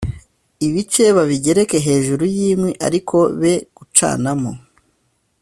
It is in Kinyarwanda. ibice babigereke hejuru y’inkwi ariko be gucanamo